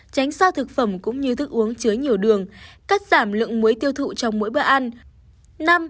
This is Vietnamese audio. tránh xa thực phẩm cũng như thức uống chứa nhiều đường cắt giảm lượng muối tiêu thụ trong mỗi bữa ăn